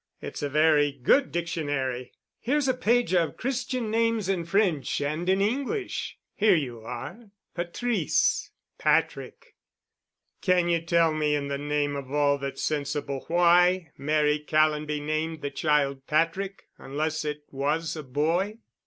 It's a very good dictionary. Here's a page of Christian names in French and in English. Here you are: Patrice—Patrick. Can you tell me in the name of all that's sensible why Mary Callonby named the child Patrick unless it was a boy?"